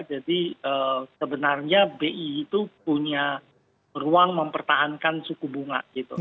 jadi sebenarnya bi itu punya ruang mempertahankan suku bunga gitu